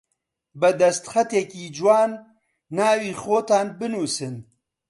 بە دەستخەتێکی جوان ناوی خۆتان بنووسن